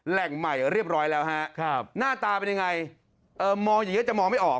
แหล่งใหม่เรียบร้อยแล้วฮะหน้าตาเป็นยังไงมองอย่างนี้จะมองไม่ออก